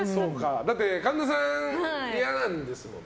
神田さん、嫌なんですもんね。